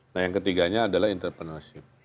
nah yang ketiganya adalah entrepreneurship